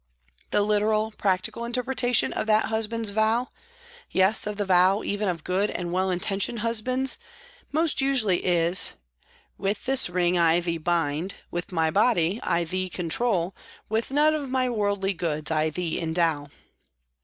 The literal, practical, interpretation of that husband's vow yes, of the vow even of good and well intentioned husbands most usually is: "With this ring I thee bind, with my body I thee control, with none of my worldly goods I thee endow."